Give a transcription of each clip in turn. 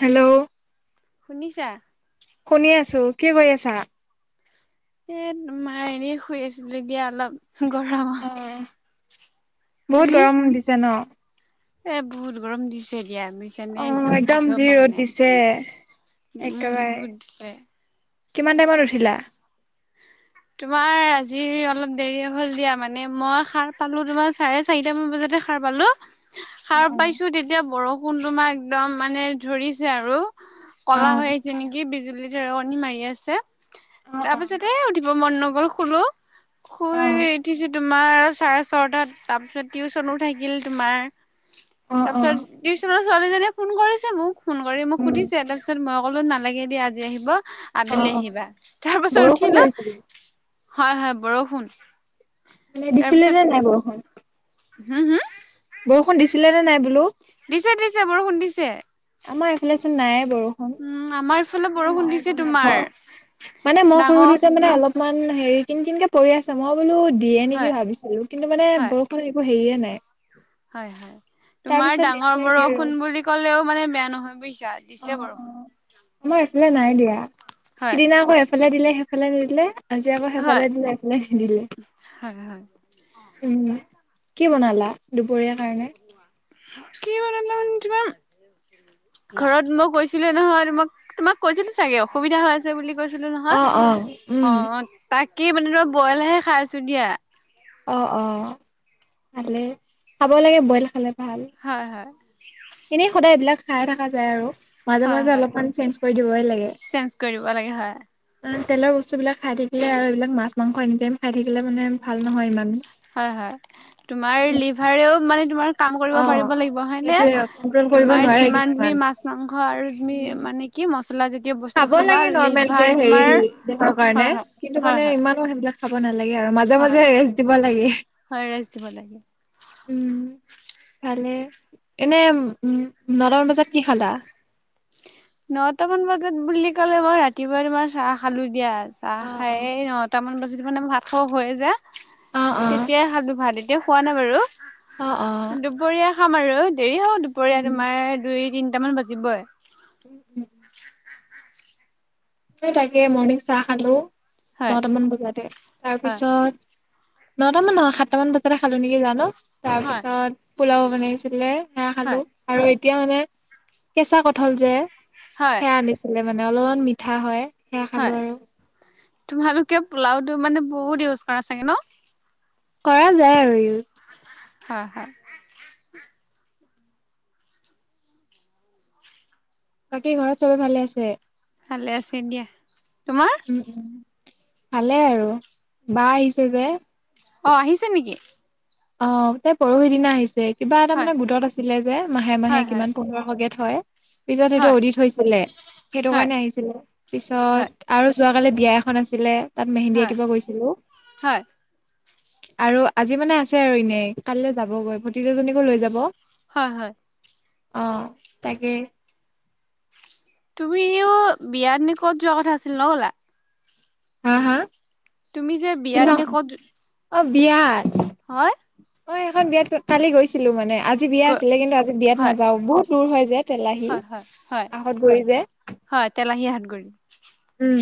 Hello. শুনিছা। শুনি আছো কি কৰি আছা? এ মাৰ এনে শুই আছিলো দিয়া অলপ। গঢ়ামা বহুত তুমি। গৰম দিছে ন? এ বহুত গৰম দিছিল। দিয়া মিছানে অ' একদম থাকিব যি পৰা ৰ'দ দিছে নাই উম একেবাৰে বহুত দিছে কিমান টাইমত উঠিলা তোমাৰ আজি অলপ দেৰি হ'ল দিয়া মানে মই সাৰ পালো তোমাৰ চাৰে চাৰিটা মান বজাত- সাৰ পালো সাৰ অ' পাইছো তেতিয়া বৰষুণ তোমাহ একদম মানে ধৰিছে আৰু অ' কলা হৈ আহিছে নেকি বিজুলী ৰণী মাৰি আছে অ' তাৰ পিছতে উ শুব মন নগ'ল শুলো শুই অ' উঠিছো তোমাৰ ছাৰে ছয়টাত তাৰপিছত টিউচনো থাকিল তোমাৰ অ অ তাৰপিছত টিউশনৰ ছোৱালীজনীয়ে ফোন কৰিছে মোক ফোন কৰি মোক উম সুধিছে তাৰপিছত মই কলো নালাগে দিয় আজি আহিব অ' আবেলি অ' আহিবা তাৰ পাছত বৰষুণ উঠিলো ধৰিছিলে হয় হয় বৰষুণ মানে দিছিলে তাৰপিছত নে নাই বৰষুণ হম হয় বৰষুণ দিছিলে নে নাই বোলো দিছে দিছে বৰষুণ দিছে। আমাৰ এফালেচোন নাই। উম আমাৰ ইফালে বৰষুণ মই দিছে গম তোমাৰ নাপাও মানে মই শুই ডাঙৰ উঠোঁতে মানে অলপ অলপমান হেৰি কিন কিনকে পৰি আছে মই বোলো দিয়ে নেকি হয় ভাবিছিলো কিন্তু মানে হয় বৰষুণ একো হেৰিয়ে নাই। হয় হয়। তাৰ তোমাৰ পিছত দিছে ডাঙৰ এতিয়া ৰ'দ বৰষুণ বুলি ক'লেও মানে বেয়া নহয় বুজিছা অ দিছে অ বৰষুণ। আমাৰ এইফালে নাই দিয়া হয়। সিদিনা আকৌ এফালে দিলে সেইফালে নিদিলে আজি আকৌ হয়, সেফালে দিলে এইফালে নিদিলে হয়, হয়, উম কি বনালা দুপৰীয়াৰ কাৰণে কি বনালো ঘৰত মই কৈছিলো নহয় মাক তোমাক কৈছিলো চাগে অসুবিধা হৈ আছে বুলি কৈছিল ছিলো নহয় অ অ উম অ তাকে মানে তই বইলহে খাই আছো দিয়া। অ অ ভালে খাব লাগে বইল খালে ভাল হয় হয়। এনেই সদায় এইবিলাক খাইয়ে থাকা যায় আৰু মাজে হয়, মাজে হয়, অলপমান চেঞ্জ কৰি দিবই লাগে চেঞ্জ কৰি দিব লাগে হয়, তেলৰ বস্তুবিলাক খাই থাকিলে আৰু এইবিলাক মাছ মাংস এনি টাইম খাই থাকিলে মানে ভাল নহয় ইমান হয় তোমাৰ লিভাৰেও মানে তোমাৰ কাম কৰিব অ পাৰিব লাগিব হয় নে? সেইটোয়ে কন্ট্ৰল কৰিব তোমাৰ নোৱাৰে যিমান তুমি কিছুমান মাছ মাংস আৰু তুমি উম মানে কি ম খাব লাগে নৰ্মেল কে তোমাৰ হেৰি দেহাৰ কাৰণে হয়, হয়, কিন্তু হয়, মানে হয়, ইমানো সেইবিলাক খাব নালাগে আৰু আৰু মাজে হয়, মাজে ৰেষ্ট দিব লাগে। হয় ৰেষ্ট দিব লাগে উম ভালে এনে উম নটামান বজাত কি খালা নটামান বজাত বুলি ক'লে মই ৰাতিপুৱা ইমান চাহ খালো দিয়া চাহ অ খাই নটামান বজ মানে ভাত খ হৈয়ে যায় অ তেতিয় খালো ভাত এতিয়াও হোৱা নাই বাৰু অঁ অঁ দুপৰীয়া খাম আৰু দেৰি হও দুপৰীয়া তোমাৰ দুই তিনটামান বাজিবই। উম তাকে মৰ্ণিং চাহ খালো হয় দটামান বজাতে হয় তাৰপিছত নটামান নহয় সাতটামান বজাতে খালো নেকি জানো তাৰ হয় পিছত পোলাও বনাইছিলে খ হয় খালো আৰু এতিয়া মানে কেঁচা কঠাল যে হয়। মে অলপমান মিঠা হয় সেয়া খালো হয় আৰু তোমালোকে পোলাওটো মানে বহুত ইউজ কৰা চাগে ন। কৰা যায় আৰু ইউজ। হয় হয়। বাকী ঘৰত চবে ভালে আছে। ভালে আছে দিয়া। তোমাৰ উম উ ভালে আৰু বা আহিছে যে। অঁ আহিছে নেকি! অঁ তাই পৰহিদিনা আহিছে। কিবা এটা হয় মানে গোটত আছিলে যে মাহে হয় মাহে হয় কিমান পোন্ধৰ শ কে থয়। পিছত সেইটো হয় অদিত হৈছিলে সেইটো হয় কাৰণে আহিছিলে হয় পিছত হয় আৰু যোৱাকালি বিয়া এখন আছিলে তাত মেহেন্দী হয় আঁকিব গৈছিলো। হয় আৰু আজি মানে আছে আৰু এনেই কাইলৈ যাবগৈ ভতিজা জনীকো লৈ যাব হয় হয়। অঁ তাকে তুমিও বিয়াদিন ক'ত যোৱা কথা আছিল নগলা হাঁ হাঁ তুমি যে বিয়াত নে ক'ত? অঁ বিয়াত। হয়। অঁ এখন বিয়াত কালি গৈছিলো মানে আজি বিয়া গ আছিলে কিন্তু আজি বিয়াত হয় নাযাও বহুত দূৰ হয় যে তেলাহি হয় হয় হয় আহতগুৰি যে। হয় তেলাহী হাতগুৰি উম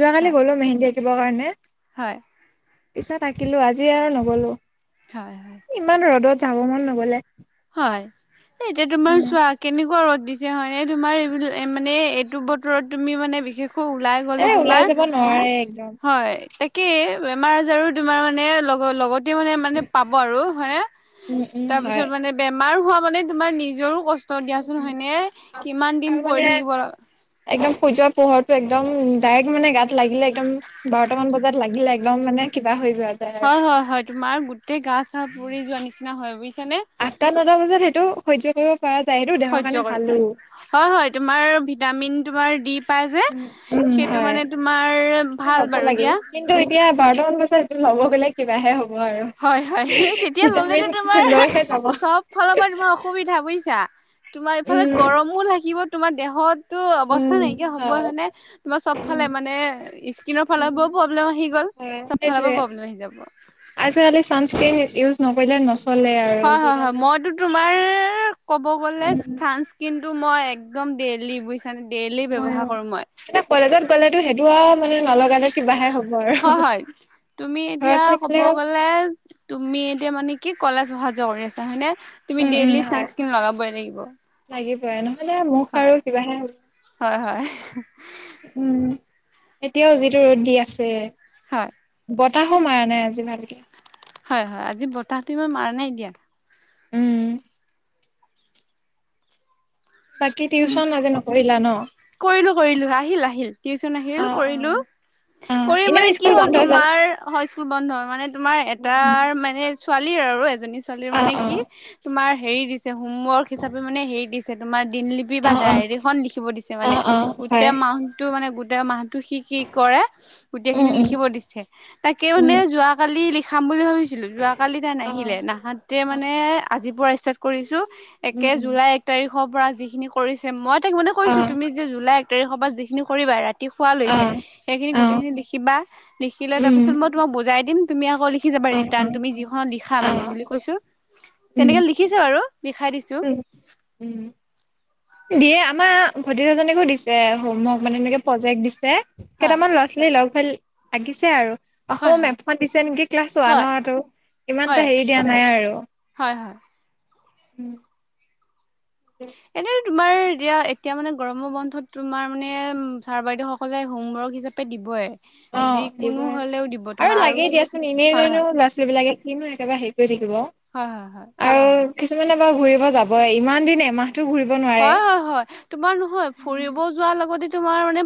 যোৱাকালি হয় গলো মেহেন্দী আঁকিবৰ কাৰণে। হয়। পিছা থাকিলো আজি আৰু নগলো হয় হয় ইমান ৰ'দত যাব মন নগলে। হয় এ এতিয়া তোমাৰ উম চোৱা কেনেকুৱা ৰদ দিছে হয় নে তোমাৰ এইবিলাক। মানে এইটো বতৰত তুমি মানে বিশেষ। ওলাই এ গলে ওলাই তোমাৰ যাব নোৱাৰে একদম হয়। এক বেমাৰ আজাৰো তোমাৰ মানে লগ লগত। মানে মানে পাব আৰু হয়নে উম উম তাৰ হয় পিছত মানে বেমাৰ হোৱা মানে তোমাৰ নিজৰ কষ্ট। কষ্ট দিয়াচোন হয়নে কিমান আৰু দিন মানে পৰি থাকিব। একদম সূৰ্যৰ পোহৰটো একদম ডাইৰেক্ট মানে গাত লাগিলে একদম বাৰট মান বজাত লাগিলে একদম মানে কিবা হৈ। যোৱা যায় আৰু হয় হয় হয় তোমাৰ গোটেই গা চা পুৰি যোৱা নিচিনা হয় বুজিছ। আঠটা, নটা বজাত সেইটো সহ্য কৰিব পৰা যায় সেইটো দেহৰ সহ্য কাৰণে কৰে। ভালো হয়, হয় তোমাৰ ভিটামিন তোমাৰ দি পাই যে উম সেইটো হয় মানে তোমাৰ ভাল বাৰু দিয়া। বাৰটা মান বজাত সেইটো লব গ'লে কিবাহে হ'ব। আৰু হয়, হয় সেই তেতিয়া ললেতো ভিটামিন তোমাৰ লৈহে যাব হয় চব ফালৰ পৰা তোমাৰ অসুবিধা বুজিছা। তোমাৰ এইফালে গৰমো লাগিব তোমাৰ দেহত। তটো অৱস্থা নাইকিয় হ'বই হয়নে, তোমাৰ চব ফালে মানে স্কিনৰ ফালৰ পৰাও প্ৰব্লেম আহি গ'ল। চবফালৰ পৰা প্ৰব্লেম আহি যাব। ছানস্ক্ৰীন ইউজ নকৰিলে নষ্ট। হয় হয় হয়, মইতো তোমাৰ ক'ব গলে চানস্কীন। টো মই একদম ডেইলি বুজিছা নে, ডেইলি ব্যৱহাৰ কৰো মই। ক'লেতো সেইটো আৰু মানে নলগালে কিবাহে হ'ব আৰু। হয় হয় তুমি ঘৰত এতিয়া কব থাকিলেও গ'লে তুমি এতিয়া মানে কি কলেজ অহা যোৱা কৰি আছা হয় নে। তুমি উম উম ডেইলি হয় চানস্কিন লগাবই লাগিব লাগিবই নহ'লে মুখ আৰু হয়। কিবাহে হ'ব হয় হয়। উম। এতিয়াও যিটো ৰ'দ দি আছে, হয় বতাহো মাৰা নাই আজি ভালকে। হয় হয়, আজি বতাহটো ইমান মাৰা নাই দিয়া। উম বাকী টিউশ্যন, আজি নকৰিলা ন? কৰিলোঁ, আহিল আহিল টিউশ্যন আহিল অ', কৰিলোঁ। অ'। হি', অ', কৰি এনেও মানে কি স্কুল হ'ল বন্ধ যে। তোমাৰ, হয় স্কুল বন্ধ মানে তোমাৰ এটাৰ মানে ছোৱালী হয় আৰু এজনী ছোৱালীৰ মানে অ', কি অ', তোমাৰ হেৰি দিছে হোমৱৰ্ক হিচাপে মানে হেৰি দিছে দিছে তোমাৰ দিনলিপি বা অ', অ', ডায়েৰীখন লিখিব দিছে মানে অ', অ', হয়, গোটেই মাহটো মানে গোটেই মাহ টো', - সি', -সি', কি কৰে গোটেই উম, খিনি উম, লিখিব দিছে তাকে উম, মানে যোৱাকালি লিখাম বুলি ভাবিছি ছিলো যোৱাকালি তাই অ', নাহিলে নাহাতে মানে অ', আজিৰ পৰা ষ্টাৰ্ট কৰিছোঁ উম, একে উম, জুলাই এক তাৰিখৰ পৰা যিখিনি কৰিছে মই তাক মানে কৈছো অ', তুমি যে জুলাই এক এই হ'ব যিখিনি কৰিবা ৰাত ৰাতি শুৱা লৈকে, অ', ইখিনি অ', গোটেইখিনি লিখিবা লিখিলে উম, তাৰপিছত মই তোমাক বুজাই দিম তুমি আকৌ লিখ লিখি জাবা অ', ৰিটাৰ্ণ অ', তুমি যিখনত লিখা মানে অ', বুলি কৈছো উম, তেনেকে লিখিছে যে আৰু। উম', - উম', দিয়ে আমাৰ ভতিজাজনীকো দিছে হোমৱৰ্ক মানে এনেকে প্ৰজেক্ট দিছে হয় কেইটামান ল'ৰা ছোৱালী লগ হৈ লাগিছে আৰু হয় অসমৰ হয় মেপখন দিছে নেকি ক্লাছ হয় ওৱানৰটো ইমানটা হেৰি দিয়া নাই আৰু আ', উম', এনে', তোমাৰ এতিয়া, এতিয়া মানে গৰমৰ বন্ধত তোমাৰ মানে ছাৰ বাইদেউসকলে হোমৱৰ্ক হিচাপে দিবই অ', যিকোনো দিবই হ'লেও দিব তোমাৰ আৰু লাগে কিছু দিয়াচোন এনে হয় এনেনো হয় ল'ৰা ছোৱালী বিলাকে কিনো একেবাৰে হেৰি কৰি থাকিব হয়', - হয়', - হয়', আৰু কিছুমানে বাৰু ঘুৰিব যাব ইমান দিন এমাহ হয়', - হয়', - হয়', তোমাৰ নহয় ফুৰিব যোৱাৰ লগতে তোমাৰ মানে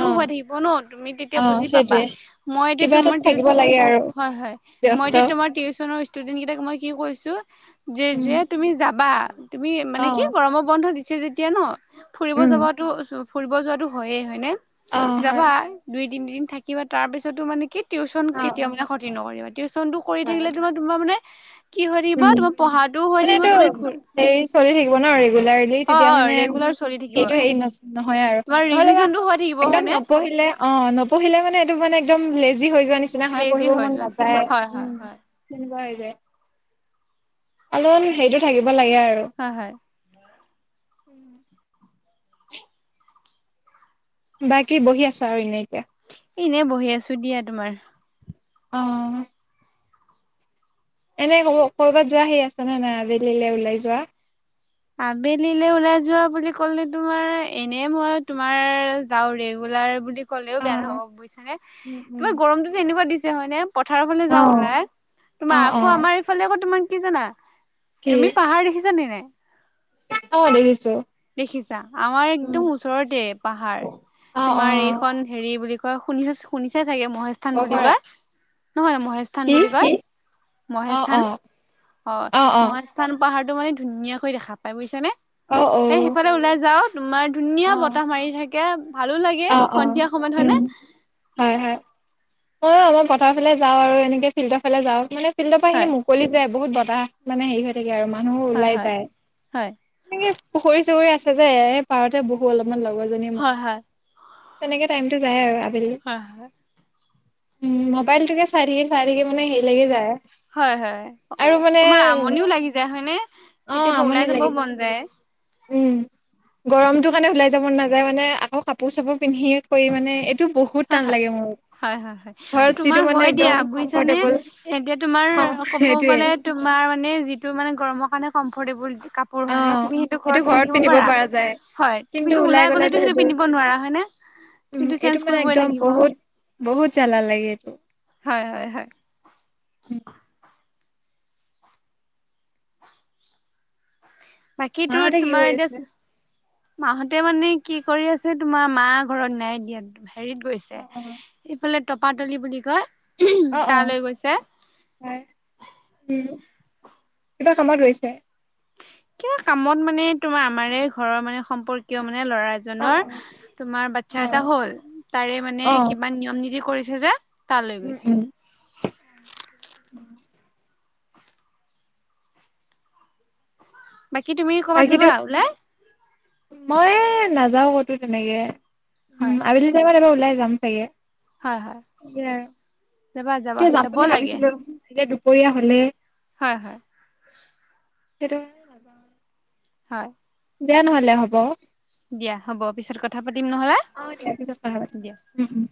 অ হৈ থাকিব ন তুমি তেতিয়া অ বুজি পাবা সেইটোৱে মই এতিয়া কিবা এটাত তুমাৰ থাকিব টিউশ্য লাগে আৰু হয়', - হয়', মই এতিয়া ব্যস্ত তোমাৰ টিউশ্যনৰ ষ্টুডেণ্ট কেইটাক মই কি কছো যে উম যে তুমি যাবা তুমি মানে কি গৰমৰ ব বন্ধ দিছে যেতিয়া ন ফুৰিব উম যাবাটো ফুৰিব যোৱাটো হয়ে হয় নে অ হয় যাবা দুই তিনিদিন থাকিবা, তাৰ পিছতো মানে কি? টিউশ্যন কেতিয়া মানে ক্ষতি নকৰিবা টিউশ্যনটো কৰি হয়। থাকে তোমাৰ তোমাৰ মানে কি হৈ থাকিব উম', তোমাৰ পঢ়াটোও হৈ মানে থাকিব এইটো তুমি ঘূৰি হেৰি চলি থাকিব ন ৰেগুল ৰেগুলাৰলী অ তেতিয়া অ মানে ৰেগুলাৰ চলি থাকিব সেইটো হেৰি নষ ন নহয় আৰু তোমাৰ নহ'লে বা ৰিভিজনটো হৈ থাকিব একদম হয়নে? নপঢ়িলে অ', নপঢ়িলে মানে এইটো মানে একদ একদম লেজি হৈ যোৱা নিচিনা হয় লেজি পঢ়িব হৈ মন যোৱা তেতিয়া নাযায় হয় হয় উম', হয়। সেনেকুৱা হৈ যায়। অলপমান হেৰি থাকিব লাগে আৰু হয় হয় অ', বাকী বহি আছা আৰু এনে এতিয়া? এনে বহি আছো দিয়া তোমাৰ অ', হ'ম', এনে ক'ব ক'বাত যোৱা সি আছ নে নাই আবেলিলৈ ওলাই যোৱা আবেলিলৈ ওলাই যোৱা বুলি ক'লে তোমাৰ এনে মই তোমাৰ যাও ৰেগু ৰেগুলাৰ বুলি ক'লেও বেয়া অ', হ'ব বুজিছ নে উম উম তোমাৰ গৰমটো যে এনেকুৱা দিছে হয় নে পথাৰৰ ফালে অ যাও ওলাই, অ তোমাৰ আকৌ অ', আমাৰ এইফালে আকৌ তোমাৰ কি জানা কি তুমি পাহাৰ দেখিছানে নাই? অ', দেখিছোঁ। দেখিছা, আমাৰ একদম ওচৰতে পাহাৰ, অ অ তোমাৰ এইখন হেৰি বুলি ক কোৱা শুনিছ শুনিছা চাগে মহেশস্থান বুলি পখৰা কয়, নহয়, মহেশস্থান কি বুলি কয় অ মহেশস্থান অ হয় অ অ অ মহেশস্থান পাহাৰটো সেইটো মানে ধুনীয়াকৈ দেখা পাই বুজিছা নে অ এ সেই সেইফালে ওলাই যাও তোমাৰ ধুনীয়া অ বতাহ মাৰি থাকে ভালো লাগে অ অ', সন্ধিয়া সময়ত হয় নে উম হয় হয় ময়ো আমাৰ পথাৰ ফালে যাওঁ আৰু এনেক ফিল্ডৰ ফালে যাওঁ মানে ফিল্ডৰ পৰা খিনি হয় মুকলি যে। বহুত বতাহ মানে হেৰি হৈ থাকে আৰু মানুহো হয় ওলাই হয় যায় হয় এনেকে পুখুৰী চুখুৰী আছে। যে এই পাৰতে বহু অলপমান লগৰজনী মই। হয় হয় তেনেকে টাইমতো যায় আৰু আ ্ আ হয়। উম মোবাইল তুকে চাইঠাকিম চাইঠাকি মানে হেৰিলাগি যায়। হয় হয়। আৰু মানে তোমাৰ আমনিও লাগি যায় হয়নে অ কেতিয়াবা আমনি ওলাই লাগি যাবও মন যায়। উম গৰমটো কাৰণে ওলাই যাব নাযায় মানে আকৌ কাপোৰ চাপোৰ পিন্ধিয়ে থৈ মানে এ। টো বহুত হয় টান হয় লাগে মোক। হয় হয় হয় তোমাৰ হয় দিয়া বুইছানে কমফৰ্টেবল এতিয়া তোমাৰ অ ক'ব সেইটোয়ে গলে তোমাৰ। মাৰ মানে যিটো মানে গৰমৰ কাৰণে কমফৰ্টেবল কাপোৰ অ হয় নে তুমি সেইটো ঘৰত পিন্ধি থাকিব পিন্ধিব পাৰা। পৰা যায় হয় তুমিটো ওলাই গ'লেতো সেইটো পিন্ধিব নোৱাৰা হয় নে। উম তুমিতো এইটো চেঞ্জ মানে কৰিবই একদম লাগিব বহুত বহুত জ্বালা লাগে এইটো। হয় হয় হয়। বাকীতো মাহঁতে কি তোমাৰ কৰি আছে এতিয়া। মাহতে মানে কি কৰি আছে তোমাৰ মা ঘৰত নাই দিয়া। হেৰিত গৈছে অ অ ইফালে টপাতলি বুলি কয়। অ অ তালৈ গৈছে হয় উ কিব। প্ৰথম বাৰ গৈছে। কিবা কামত মানে তোমাৰ আমাৰে ঘৰৰ মানে সম্পৰ্কীয় মানে। মানে ল'ৰা অ এজ'নৰ অ তোমাৰ অ বাদছাহ এটা হ'ল তাৰে মানে অ কিবা নিয়ম-নীতি কৰিছে। যে তালৈ গৈছে। । [unintelligible] বাকী তুমি ক'বাত বাকীতো যাবা ওলাই। মই নাযাও ক'তো তেনেকে হয় উম আবেলি টাইমত এবাৰ ওলাই যাম চাগে। হয় হয়। সেয়া আৰু যাবা যাবা এতিয়া যাম যাব বুলি লাগে ভাবিছিলো এতিয়া দুপৰীয়া হলে। হয় হয়। সেইটো কাৰণে নাজাও হয়। দিয়া নহলে হ'ব। দিয়া হ'ব পিছত কথা পাতিম নহ'লে অ দিয়া পিছত কথা পাতিম দিয়া। উম উম।